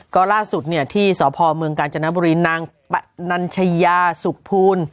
ก็ล่าสุดเนี่ยที่สพเมืองกาญจนบุรีนางปะนัญชยาสุขภูล